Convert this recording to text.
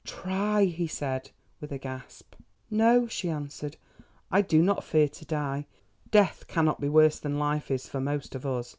"Try," he said with a gasp. "No," she answered, "I do not fear to die. Death cannot be worse than life is for most of us.